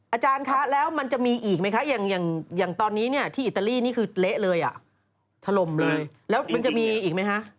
อาจารย์คะแล้วมันจะมีอีกไหมคะอย่างตอนนี้เนี่ยที่อิตาลีนี่คือเละเลยอ่ะถล่มเลยแล้วมันจะมีอีกไหมคะ